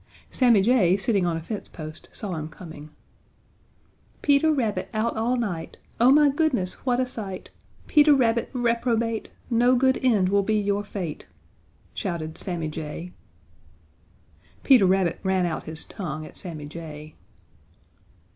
Sammy Jay, sitting on a fence post, saw him coming. "Peter Rabbit out all night! Oh my goodness what a sight! Peter Rabbit, reprobate! No good end will be your fate!" shouted Sammy Jay. Peter Rabbit ran out his tongue at Sammy Jay.